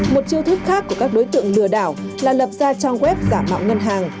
một chiêu thức khác của các đối tượng lừa đảo là lập ra trang web giả mạo ngân hàng